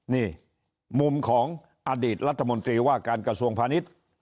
นี่มุมของอดีตรัฐมนตรีว่าการกระทรวงพาณิชย์